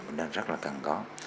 mình rất là cần có